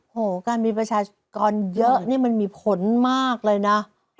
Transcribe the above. การมีประชากรเยอะนี่มันมีผลมากเลยนะ